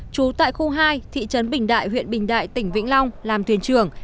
trú tại khu hai thị trấn bình đại huyện bình đại tỉnh vĩnh long làm thuyền trưởng